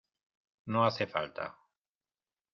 no hace falta.